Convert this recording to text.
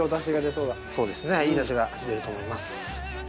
そうですねいいダシが出ると思います。